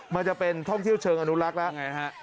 มันจะเป็นท่องเที่ยวเชิงอนุรักษ์แล้วไงฮะ